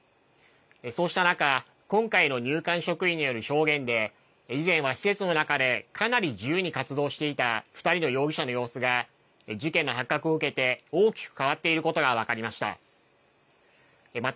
そうした中、今回の入管職員による証言で、以前は施設の中でかなり自由に活動していた２人の容疑者の様子が、事件の発覚を受けて、大きく変わっていることが分かりました。